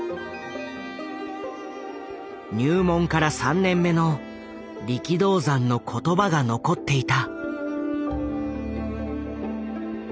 入門から３年目の力道山の言葉が残っていた。